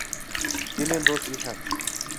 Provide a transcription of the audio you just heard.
Tienen dos hijas.